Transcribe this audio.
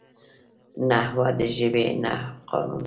نحوه د ژبي قانون دئ.